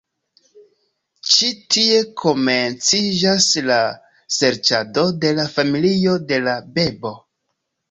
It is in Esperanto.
Ĉi tie komenciĝas la serĉado de la familio de la bebo.